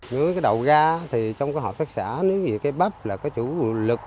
nếu cái đầu ra thì trong cái hợp tác xã nếu như cái bắp là có chủ lực